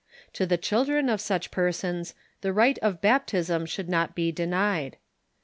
To the children of such persons the rite of baptism should not be de nied.